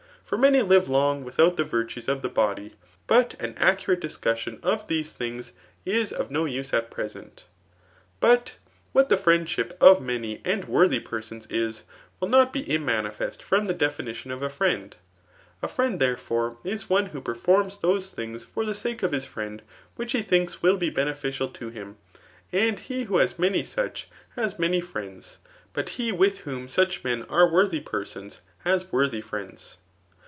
For many live long without the virtaes of tl|e CHAT* V. EHBTOaia 31 body ; but an accfii^te 4U«GU8skm af dMse tki^gs k o^^ use at present. But whu the frteadehip of many and worthy perstMX^ is, will not be immanife^ from the definition of a fkieiid; A friend, therefore, b (Hie who performs those things (or the sake of his friend which he thinks will be beneficial to him ; and he who has many such, has many friends ; but he with whom such men are worthy pem>cs has worthy friends.